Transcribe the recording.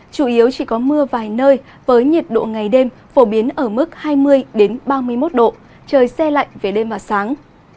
chủ yếu chỉ có mưa vài nơi với nhiệt độ ngày đêm phổ biến ở mức hai mươi ba mươi một độ trời xe lạnh về đêm và sáng